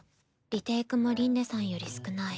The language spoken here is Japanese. リテイクも凛音さんより少ない。